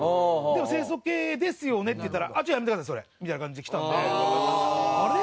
でも「清楚系ですよね？」って言ったら「やめてくださいそれ」みたいな感じできたんであれ？